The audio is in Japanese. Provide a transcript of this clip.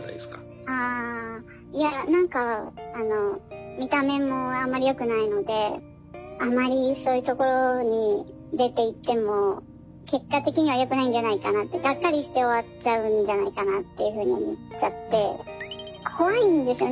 ああいや何か見た目もあんまりよくないのであまりそういうところに出ていっても結果的にはよくないんじゃないかなってがっかりして終わっちゃうんじゃないかなというふうに思っちゃって怖いんですよね。